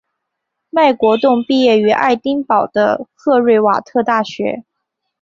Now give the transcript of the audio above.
麦国栋毕业于爱丁堡的赫瑞瓦特大学。